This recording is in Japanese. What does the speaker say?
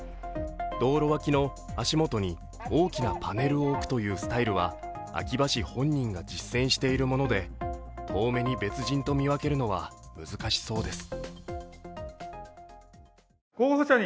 道路脇の足元に大きなパネルを置くというスタイルは秋葉氏本人が実践しているもので遠目に別人と見分けるのは難しそうです。